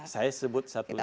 saya sebut satu lagi